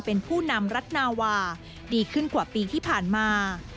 เป็นผู้นำรัฐนาวาดีขึ้นกว่าปีที่ผ่านมา